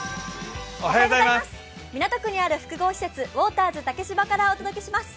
港区にある複合施設、ウォーターズ竹芝からお届けします。